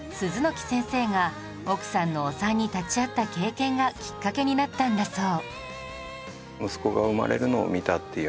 木先生が奥さんのお産に立ち会った経験がきっかけになったんだそう